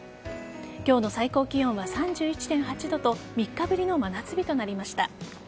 今日の最高気温は３１．８度と３日ぶりの真夏日となりました。